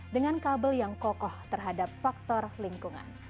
dengan kabel yang kokoh terhadap faktor lingkungan